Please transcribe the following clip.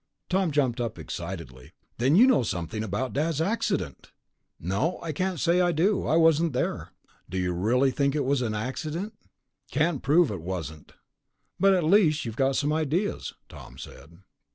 Tom jumped up excitedly. "Then you know something about Dad's accident!" "No, I can't say I do. I wasn't there." "Do you really think it was an accident?" "Can't prove it wasn't." "But at least you've got some ideas," Tom said.